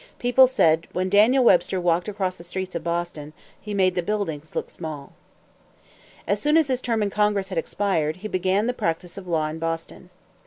People said, "When Daniel Webster walked the streets of Boston, he made the buildings look small." As soon as his term in Congress had expired, he began the practice of law in Boston.